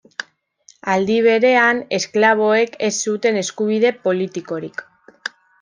Aldi berean, esklaboek ez zuten eskubide politikorik.